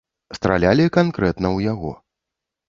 Стралялі канкрэтна ў яго.